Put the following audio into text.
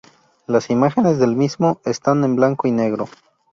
Las imágenes del mismo están en blanco y negro.